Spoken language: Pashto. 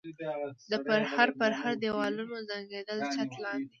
د پرهر پرهر دېوالونو زنګېدلي چت لاندې.